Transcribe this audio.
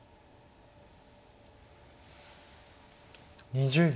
２０秒。